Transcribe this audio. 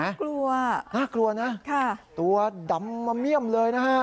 น่ากลัวน่ากลัวนะตัวดำมะเมี่ยมเลยนะฮะ